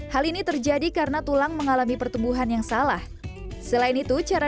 hal ini terjadi karena tulang mengalami pertumbuhan yang salah selain itu cara